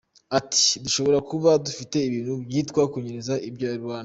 Ati “Dushobora kuba dufite ibintu byitwa kunyereza ibya rubanda.